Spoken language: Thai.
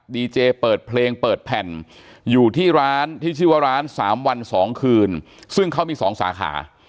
ดีเจเปิดเพลงเปิดแผ่นอยู่ที่ร้านที่ชื่อว่าร้านสามวันสองคืนซึ่งเขามี๒สาขา